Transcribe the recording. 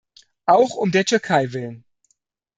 Auch um der Türkei willen.